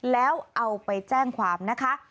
แล้วเอาไปแจ้งความนะคะ